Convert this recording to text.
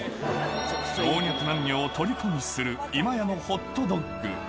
老若男女をとりこにする今屋のホットドッグ。